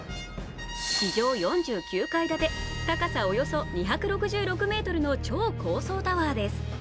地上４９階建て、高さおよそ２６６ｍの超高層タワーです。